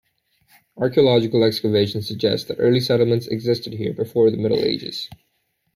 Archaeological excavation suggest that early settlements existed here before the Middle Ages.